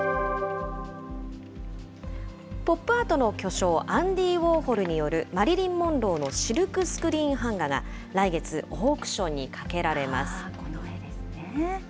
ポップアートの巨匠、アンディ・ウォーホルによる、マリリン・モンローのシルクスクリーン版画が、来月、オークショこの絵ですね。